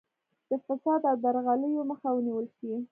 د فساد او درغلیو مخه ونیول شي.